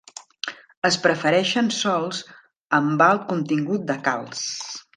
Es prefereixen sòls amb alt contingut de calç.